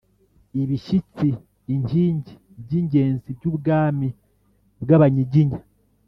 ibishyitsi (inkingi) by'ingenzi by'ubwami bw'abanyiginya